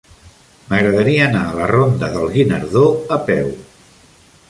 M'agradaria anar a la ronda del Guinardó a peu.